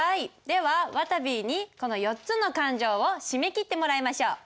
ではわたびにこの４つの勘定を締め切ってもらいましょう。